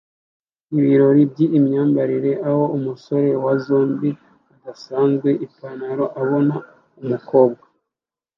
ibirori by'imyambarire aho umusore wa zombie udasanzwe Ipanaro abona umukobwa